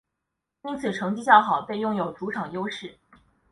因此成绩较好便拥有主场优势。